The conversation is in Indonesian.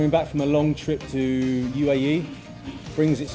mereka masih memotivasi